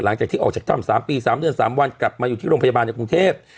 หลังจากที่ออกจากถ้ำ๓ปี๓เดือน๓วันกลับมาอยู่ที่โรงพยาบาลในกรุงเทพ